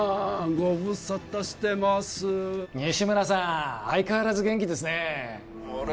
ご無沙汰してます西村さん相変わらず元気ですねあれ？